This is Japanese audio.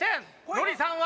ノリさんは。